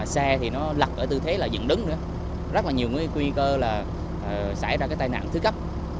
xe thì nó lật ở tư thế là dựng đứng nữa rất là nhiều nguy cơ là xảy ra cái tai nạn thứ cấp